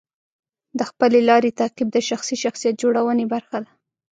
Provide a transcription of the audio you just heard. د خپلې لارې تعقیب د شخصي شخصیت جوړونې برخه ده.